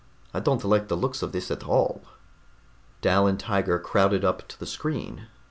I don't like the looks of this at all." Dal and Tiger crowded up to the screen.